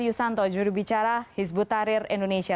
yusanto jurubicara hizbut tahrir indonesia